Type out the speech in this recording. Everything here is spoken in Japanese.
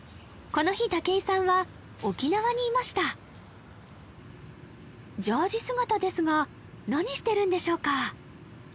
この日武井さんは沖縄にいましたジャージ姿ですが何してるんでしょうか？